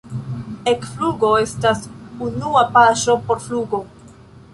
Ekflugo estas unua paŝo por flugo.